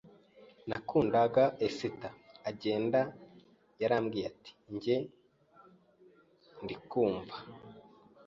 nakundaga Ester agenda yarambwiye ati njye ndi kumva